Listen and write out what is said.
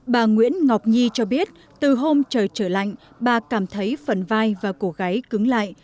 bà nguyễn ngọc nhi cho biết từ hôm trời trở lạnh bà cảm thấy phần vai và cổ gáy cứng lại